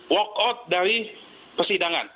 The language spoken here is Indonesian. walk out dari persidangan